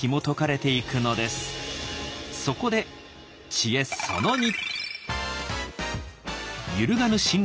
そこで知恵その二。